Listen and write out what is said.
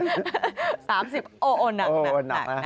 ๓๐กิโลกรัมโอ้โฮหนักนะ